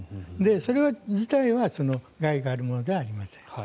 それ自体は害があるものではありません。